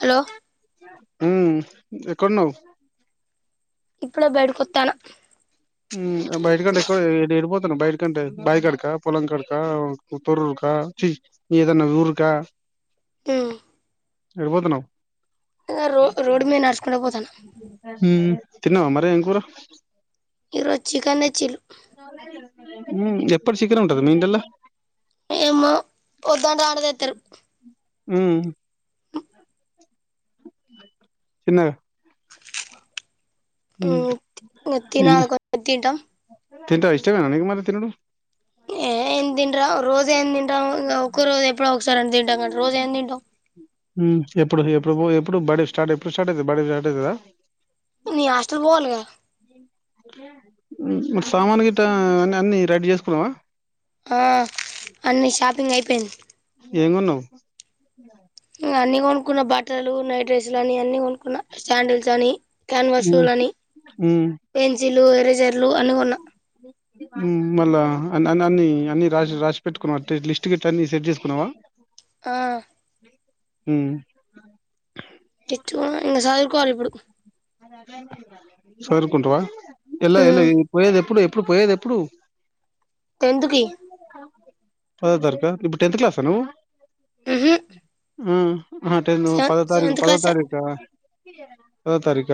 Hello ఉం ఎక్కడ ఉన్నావు ఇప్పుడే బయటకు వత్తన్న ఉం బయట కంటే ఎక్క ఎడిపోతాను బయట కంటే బాయి కాడిక పొలం కాడిక తొర్రూరు కా చి ఏదన్నా ఊరుకా అ ఎటుపోతున్నవ్ రోడ్డు మీద నడుచుకుంట పోతాన ఉం తిన్నవా మరి ఎంకూర ఈ రోజు చికెన్ తెచ్చిర్రు ఉం ఎప్పుడు చికెన్ ఉంటద మీ ఇంట్లల్ల ఏమో వద్దంటే ఆడతెత్తారు ఉ తిన్నారా ఉ ఉమ్ తినాలే కొద్దిగా తింటం తింటావా ఇష్టమేనా మరి తినుడు ఏ ఎమ్ తింటావ్ రోజు రోజ ఏం తింటాం ఒక రోజు ఎప్పుడో ఒకసారి తింటాం కానీ రోజు ఏం తింటాం ఎప్పుడు ఎప్పుడు ఎప్పుడు బడీ స్టార్ట్ ఎప్పుడు స్టార్ట్ అవుతుంది బడీ స్టార్ట్ అవుతుందా నీను హస్టల్ పోవాలి కదా మరి సామాను గిట్ట అ అన్ని రెడీ చేసుకున్నావా ఆ అన్నీ షాపింగ్ అయిపోయింది ఏం కొన్నావ్ అన్ని కొనుక్కున్నాను బట్టలు నైటీలు డ్రెస్లు అని అన్ని కొనుకున్న శాండిల్స్ అని ఉమ్ క్యాన్వర్షలు అని ఉమ్ పెన్సిల్ ఎరేజర్లు అన్ని కొన్నా ఉ హు ఉ మళ్ళా అ అ అన్ని అన్ని రాసి రాసి పెట్టుకున్నావా లిస్ట్ కట్ట అన్ని సెట్ చేసుకున్నావా ఆ ఉ సదురుకోవాలి ఇప్పుడు సదరుకుంటావా ఇలా ఉమ్ ఇ పోయేది ఎప్పుడు ఇప్పుడు పోయేది ఎప్పుడు టెన్త్ కి పదవ తరగతి ఇప్పుడు టెన్త్ క్లాస్ నువ్వు ఉహు ఆ ఆటె సెవెన్ పదో తారీఖ సెవెంత్ పదో క్లాస్ తారీఖ పదో తారీఖ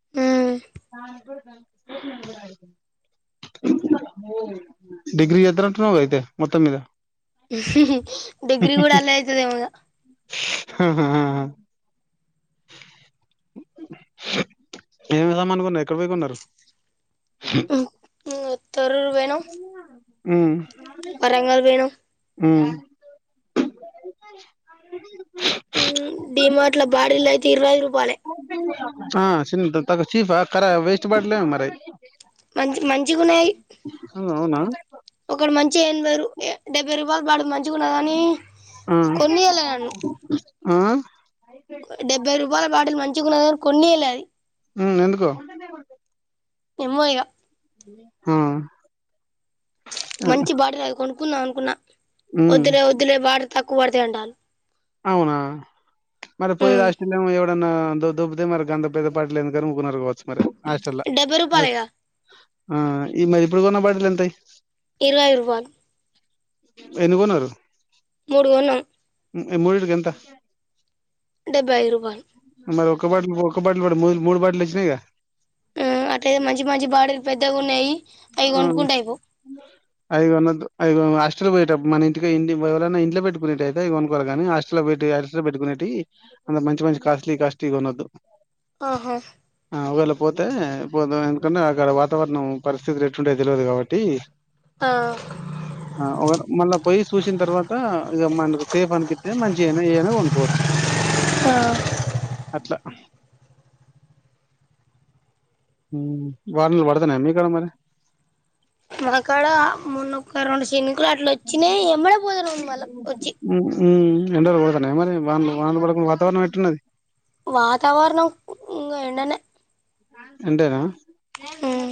ఏ దానికి కూడా కలుపుకొని పోవాలి ఉ డిగ్రీ చేస్తున్నట్టున్నావ్ అయితే మొత్తం మీద డిగ్రి కూడా అలా అయితది ఇగ హ హ ఏం సామాను కొన్నారు ఎక్కడికి పోయి కొన్నారు తోరూరు పోయినం ఉ వరంగల్ పోయినం ముచ్చట వాయిస్ డీమార్ట్ బాటిల్ అయితే ఇరవై ఐదు రూపాయలే ఆ చిన్నది చీపా వేస్ట్ బాటిల మరి మంచి మంచిగున్నాయి ఉ అవునా ఒక మంచి ఎనభై డెబ్బై రూపాయలు బడు మంచి తెచ్చుకున్న కన్ని ఆ కొనియ్యలే ఆ డెబ్బై రూపాయల బాటిలు మంచిగున్న గాని కొనియ్యలే ఉ ఎందుకో ఏమో ఇగ ఉ మంచి బాటిల్ అది కొనుక్కుందాం అనుకున్నా ఉమ్ వద్దులే వద్దులే తక్కువ పడితే అంటారు అవునా మరి పోయేది ఆస్ట్రేలియా ఎవరన్నా కొ దొబ్బితే మరి గంత పెద్ద పాటలు ఎందుకని ఉకున్నారు కావచ్చు మరి హాస్టల్ల డెబ్బై రూపాయలేగా ఆ ఈ మరి ఇప్పుడు కొన్న బాటలు ఎంతయి ఇరయై రూపాలు ఇప్పుడు ఎన్ని కొన్నారు మూడు కొన్నాం నేను మూడింటికి వెళ్తా డెబ్బైఐదు రూపాలు ఒక బాటిలు ఒక బాటిలు కూడా మూడు మూడు బాటిలు వచ్చినాయిగా ఆ అట్లయితే మంచి మంచి బాటిల్లు పెద్దగున్నాయి ఆ అయి కోనద్దు ఇ హాస్టల పోయేటప్ మన ఇంటికి ఇంటి ఎవరన్నా ఇంట్లో పెట్టుకునేటుయితే ఇవి కొనుక్కవాల గానీ హాస్టల్లో పెట్టి హాస్టల్ పెట్టుకునేటు టి మంచి మంచి కాస్ట్లీ కాస్ట్లీ కొనొద్దు ఆహా ఆ ఒకవేళ పోతే పో ఎందుకంటే అక్కడ వాతావరణం పరిస్థితులు ఎట్టుంటాయో తెలియదు కాబట్టి ఆ ఆ ఒక మళ్ళా పొయి చూసిన తర్వాత ఇక మనకి సేఫ్ అనిపిస్తే మంచిఅయినా ఏఅయినా కొనుకోవచ్చు ఆ అట్లా ఉమ్ వనలు వడుతున్నాయా మీ కడ మరి మకాడ మొన్న ఒక్క రౌండ్ శిను కులాట్ లో వచ్చినే ఎంబడే పోతనం మళ్ళ వచ్చి హ్మ్. హ్మ్. ఎండలు కొడుతున్నాయా మరి వానలు వానలు పడకు వాతావరణం ఎట్టున్నది వాతావరణం ఇంగ ఎండనే అంటేనా ఉమ్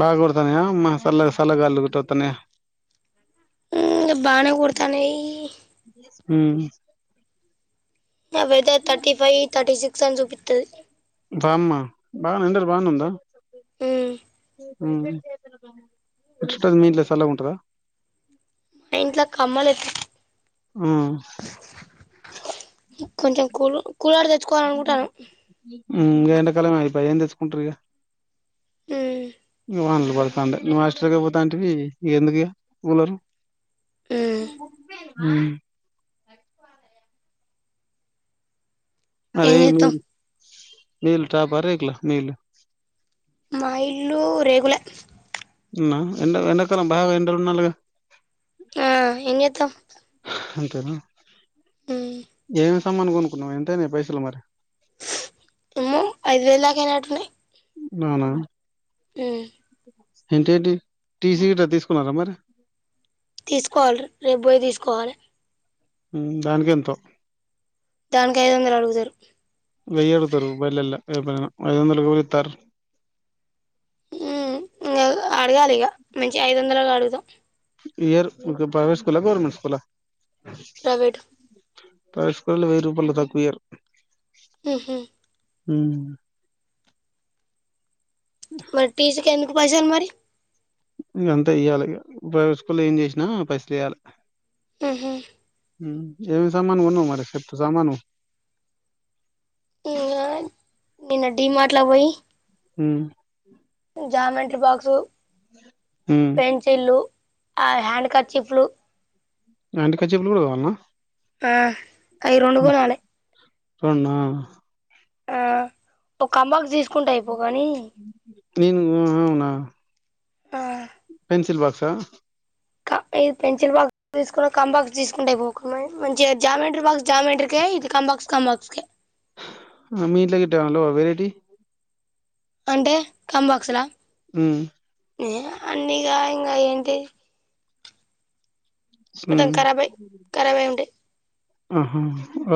బాగా కొడుతనయ మా సల్ల సల్లగాలులు గిట్ట ఒత్తనయ ఉమ్ ఇగ బాగానే కొడతానై ఉమ్ అవైతే తర్టీ ఫైవ్ తర్టీ సిక్స్ అని చూపిస్తాది బామ్మా బాగనే ఎండాలు బాగానే ఉందా ఉమ్ ఉమ్ [inaudible] మీ ఇంట్లో సల్లగా ఉంటందా మా ఇంట్లో కమ్మలు ఎత్తికి ఆ కొంచెం కూల్ కూలర్ తెచ్చుకోవాలనుకుంటానం ఉమ్ ఇగ ఎడాకాలమే అయిపోయే ఏం తెచ్చుకుంటారు ఇగ ఉమ్ వనాలే పడుతండై నువ్వు హాస్టల్కే పోతాంటివి ఇగ ఎందుకు ఇగ కూలరు ఉమ్ ఉమ్ అరే ఏం నువ్వు చేత్తాం మీ ఇల్లు టపా రేకులా మీ ఇల్లు మా ఇల్లు రేకులే నా ఎండ ఎండకాలం బాగా ఎండలు ఉండాలే కదా ఆ ఏం చెత్తం అంతేనా, ఏమేమి సామాను కొనుకున్నావు ఎంతనాయి పైసలు మరి ఉ ఐదు వెలు దాకా అయినట్టునయి అవున ఉ ఇంకేంటి టీసీ గిట్ట తీసుకున్నారా మరి తీసుకోవాలే రేపు పోయి తీసుకోవాలే ఉమ్ దానికేంతో దానికి ఐదు వందలు అడుగుతారు వేయి అడుగుతారు [unintelligible] ఐదు వందలకి ఎవరు ఇత్తరూ ఉ అడగాలి ఇగ మంచి ఐదు వందలు అడుగుదాం ఇయరు ప్రైవేట్ స్కూల్ ఆ గవర్నమెంట్ స్కూల్ ఆ ప్రైవేట్ ప్రైవేట్ స్కూల్లో వెయ్యి రూపాయలు తక్కువ ఇయ్యారు ఉహు ఊ మరి టీచర్ కు ఎందుకు పైసలు మరి ఇగ అంతే ఇయ్యాలి ఇగ ప్రైవేట్ స్కూల్ లో ఏం చేసినా పైసలు ఇయ్యాలి ఉహు ఊ ఏవి సామాను కొన్నావ్ మరి ఎప్త్ సామాను ఇంగా నిన్న డీ మార్ట్ లోకి పోయి ఉ జామెంట్రీ బాక్సు ఉమ్ పెన్సిల్లు ఆ హ్యాండ్ కర్చిప్లు హ్యాండ్ ఖర్చప్ లు కూడా కొన్నావా ఆ అవి రెండు కొనాలే రెండా ఆ ఒక కాంబాక్స్ తీసుకుంటే అయిపోవు గానీ నేను అవునా ఆ పేన్సిల్ బాక్సా క ఇది పెన్సిల్ బాక్స్ తీసుకున్న కంబాక్స్ తీసుకుంటే మంచిగా జామెంట్రీ బాక్స్ జామేంట్రీ కే ఇది కంబాక్ బాక్స్ కాంబాక్స్ కే మీ ఇంట్లో గిట్ల ఉండవా వేరేటివి అంటే కంబాక్స్ ల ఉ ఏ అన్నీ ఇగ ఇంగ ఏంటివి మొత్తం హ్మ్ ఖరాబయి ఖరాబయి ఉంటాయి ఆహా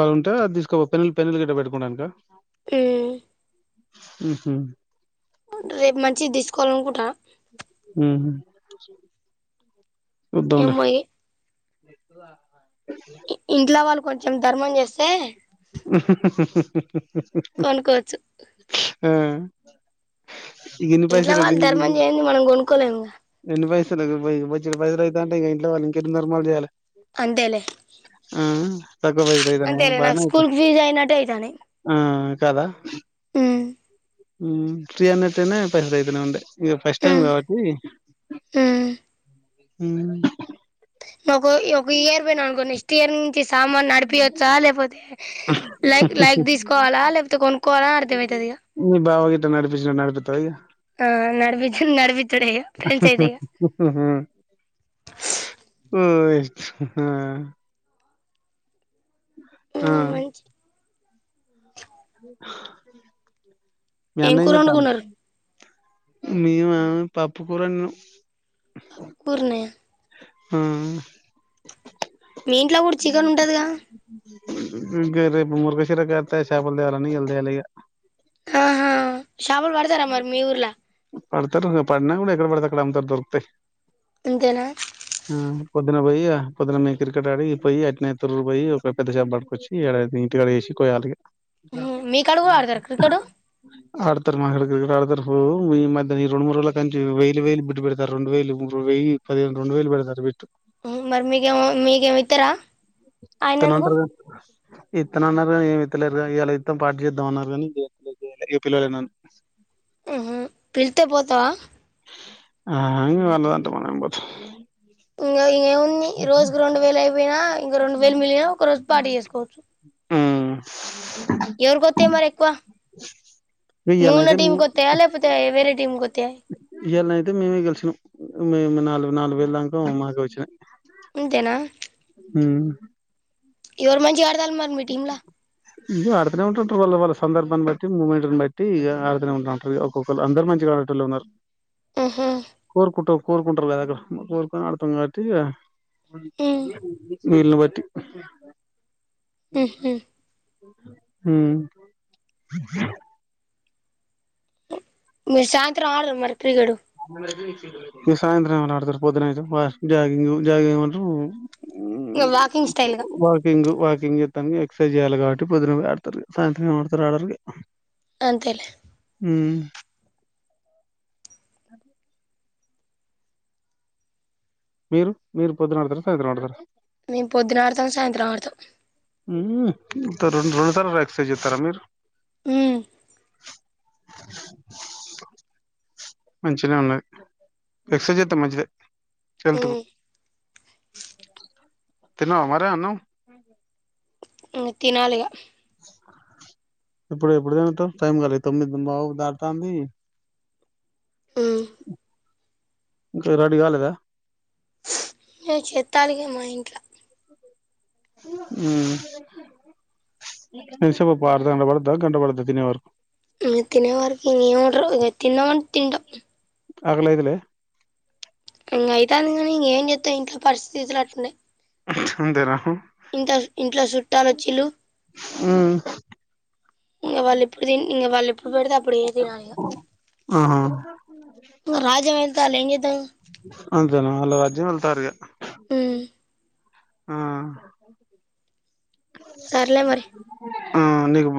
అది ఉంటే అది తీసుకో పెన్నులు పెన్నులు గిట్ట పెట్టుకోవడానికా ఉ ఉహు రేపు మంచిది తీసుకోవాలనుకుంటున్నా ఉ [inaudible] చుద్దాం ఉండు ఏమో ఇంట్లో వాళ్ళు కొంచెం ధర్మం చేస్తే కొనుక్కోవచ్చు ఆ గెన్ని ఇంట్లో పైసలు [unintelligible] వాళ్ళు ధర్మం చేయంది మనం కొనుక్కోలేము గెన్ని పైసా [unintelligible] ఇంట్లో వాళ్ళు ఇంకా ఎన్ని దార్మాలు చేయాలే అంతేలే ఆ తక్కువ పైసలు అయితన్నాయ అంతేలే నాకు బానే స్కూల్ అయితాయి ఫీజు అయినట్టే అయితానయి ఆ కదా ఉ త్రీ హండ్రెడ్ తోనే పైస అయితనే ఉండే ఇక ఫస్ట్ టైమ్ కాబట్టి ఊ ఒక ఇ ఒక ఇయర్ పోయినా అనుకో నెక్స్ట్ ఇయర్ నుంచి సామాను నడిపియొచ్చా లేకపోతే లైక్ లైక్ తీసుకోవాలా లేకపోతే కొనుక్కోవాలా అర్థమయితది ఇగ మీ బావ గిట్ట నడిపించినట్టు నడిపిత్తవా ఇగ ఆ నడిపిచ్చుడు నడివిచ్చుడే [inaudible] మ్ ఆ ఆ మంచి [inaudible] ఏం కూరొండుకున్నారు మీమ పప్పు కూర వండినం పూర్ణ ఆ మీ ఇంట్ల కూడా చికెన్ ఉంటదిగా ఇగ రేపు ముర్గాసిరా కర్త్ చపల్ తేవాలాని ఇయ్యాల తేలే ఇగ ఆహా షాపలు పడుతారా మరి మీ ఊర్లా పడుతారు పడినా కూడా ఎక్కడ పడితే అక్కడ అమ్ముతారు దొరుకుతాయి అంతేనా దున పోయి పోద్దున మేకిర్ కాడ ఆడిగి పోయి అట్నే తొర్రురు పోయి ఒక పెద్దషప పట్టుకొచ్చిన ఇగ ఆడ ఇంటి కాడేసి ాలిగా మ్ హు మీకా కూడా ఆడుతారు క్రికెట్ తరు మా కాడ క్రికెట్ ఆడుతారు ఈ మధ్య ఈ రెండు ముడు రోజుల కంచి వేలు వేలు బిట్టు పెడుతాళ్ళు రెండు వేలు వెయ్యి పది వేలు రెండు వేలు పెడుతాళ్లు బిట్టు మ్ మరి మీకేమొ మీకేం ఇతర తనంటరు గన్ ఇత్తనన్నారు కానీ ఎం ఇత్తలేరునీ గ ఇయలా ఇత్తం పార్టి చేద్దామన్నారు కానీ దెం లే ఇగ పిల్లలేనన్ ఆహ పిళ్తే పోతావా ఆ ఇగ వళ్ళదాంటే మనమేం పోతాం ఇంగ ఇంగేమ్ న్ని రోజుకి రెండు వేలు అయిపోయినా ఇంక రెండు వేలు మిలిన ఒక రోజు పార్టి చేసుకోవచ్చు ఉమ్ ఎవరికోతాయి మరి ఎక్కువ నువ్ ఉన్న ఇయ్యాలనైతే టీీమ్ గొత్తాయ లేపోతే వేరే టీమ్ కోత్ ఎయ్యళనైతే మేమే గెలిసినాం మేము నాలుగు నాలుగు వెయిల దాన్క మాకే వచ్చినాయి అంతేనా హ్మ్. ఎవరు మంచిగ ఆడుతాళ్ళు మరి మీ టీంలా ఇగ అడుతనే ఉంటాం టువెల్ వాళ్ళ సందర్భాన్ని బట్టి మూమెంట్ని బట్టి ఇగ అడుతనే ఉంటంట్రూ ఒక్కొక్కరు అందరు మంచిగా అడ్ టోళ్ళే ఉన్నారు కోరుకుంటా కోరుకుంటారు కదా అక్కడ కోరుకోని ఆడుతాం కాబట్టి ఇగ మ్ వీలును బట్టి మ్ మీరు సాయంత్రం ఆడరా మరి క్రికెట్ ఇగ సాయంత్రం ఎవలు ఆడుతారు పొద్దునయితే వ జాగింగ్ జగింగ్ అంటు ఇగ వాకింగ్ స్టైల్గ వాకింగ్ చేస్తానికి ఎక్సర్సైజ్ చేయాలి కాబట్టి పొద్దున కుడా ఆడుతారు సాయంత్రం ఎం ఆడుతారు ఆడారిగ అంతేలే మ్ అది [inaudible] మీరు మీరు పొద్దున ఆడతారా సాయత్రం ఆడతారా మేము పొద్దున ఆడతాం సాయంత్రం ఆడతాం ఉం రెండు రోజుల తరువాతఎక్సర్సైజ్ చెతారా మీరు ఉం మంచినే ఉన్నది ఎక్సర్సైజ్ చేస్తే మంచిదే హెల్త్కు ఉమ్ తిన్నావా మరి అన్నం ఉం తినాలిగా ఇప్పుడు ఎప్పుడు తింటావ్ టైం కాలే తొమ్మిదిం పావ్ దాటతాంది ఉం ఇంకా రెడీ కాలేదా ఏ చెత్తాలి ఇగ మా ఇంట్ల ఉం ఎంత సేపు అబ్బ అర్ధ గంట బడద్దా గంట బడ ద్దా తినే వరకు మ తిన వరకు తన్న తంట [unintelligible] ఆకలి అయిత లే ఇంగ అయితాంది కానీ ఇంక ఏం చెత్తావ్ ఇంట్లో పరిస్థితితులు అట్టున్నయి అంతేనా ఇంట ఇంట్లో చుట్టాలు వచ్చిల్లు మ్మ్ ఇంగ వాళ్ళు ఎప్పుడు తి ఇగ వాళ్ళు ఎప్పుడు పెడితే అప్పుడే తినాలిగా ఆహా రాజమంతాల ఎంగతా [unintelligible] జనాలు అజ్యం వెళ్తారు ఇగా ఉం ఆ సర్లే మరి ఆ నీకు